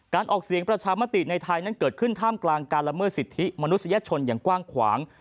ออกเสียงประชามติในไทยนั้นเกิดขึ้นท่ามกลางการละเมิดสิทธิมนุษยชนอย่างกว้างขวาง